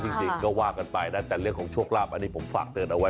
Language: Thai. จริงก็ว่ากันไปนะแต่เรื่องของโชคลาภอันนี้ผมฝากเตือนเอาไว้